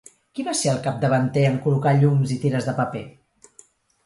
Qui va ser el capdavanter en col·locar llums i tires de paper?